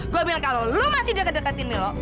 gue bilang kalau lo masih deket deketin milo